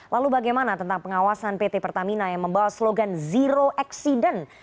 lalu bagaimana tentang pengawasan pt pertamina yang membawa slogan zero accident